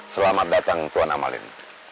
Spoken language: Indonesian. selamat datang tuan amalin